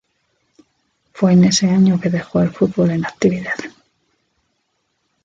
Fue en ese año que dejó el fútbol en actividad.